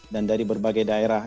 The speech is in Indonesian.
dan dari berbagai daerah